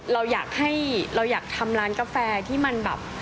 เราอยากให้เราอยากทำร้านกาแฟที่มันแบบ